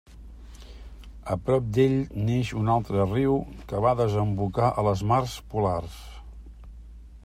A prop d'ell neix un altre riu que va a desembocar a les mars polars.